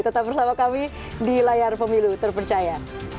tetap bersama kami di layar pemilu terpercaya